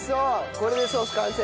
これでソース完成！